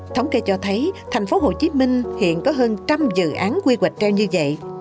thống kê cho thấy thành phố hồ chí minh hiện có hơn trăm dự án quy hoạch treo như vậy